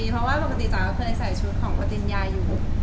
เพราะว่าปกติจ๋าก็เคยใส่ชุดของปฏิญญาอยู่